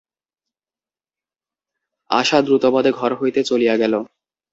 আশা দ্রুতপদে ঘর হইতে চলিয়া গেল।